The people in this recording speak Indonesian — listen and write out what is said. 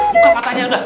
buka matanya udah